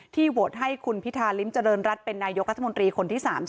โหวตให้คุณพิธาริมเจริญรัฐเป็นนายกรัฐมนตรีคนที่๓๐